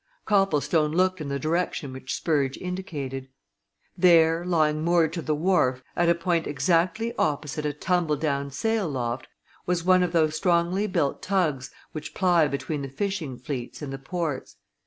Copplestone looked in the direction which Spurge indicated. There, lying moored to the wharf, at a point exactly opposite a tumble down sail loft, was one of those strongly built tugs which ply between the fishing fleets and the ports.